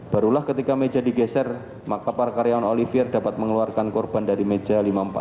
barulah ketika meja digeser maka para karyawan olivier dapat mengeluarkan korban dari meja lima puluh empat